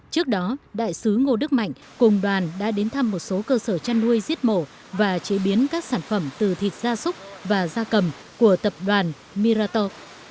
trước đó đại sứ ngô đức mạnh cùng đoàn đã đến thăm một số cơ sở chăn nuôi giết mổ và chế biến các sản phẩm từ thịt da súc và da cầm của tập đoàn mirato